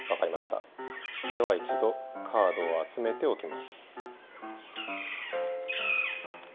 ではいちどカードをあつめておきます。